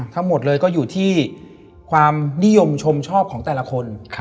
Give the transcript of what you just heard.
ทั้งหมดเลยก็อยู่ที่ความนิยมชมชอบของแต่ละคน